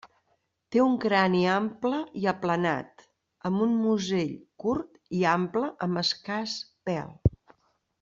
Té un crani ample i aplanat amb un musell curt i ample amb escàs pèl.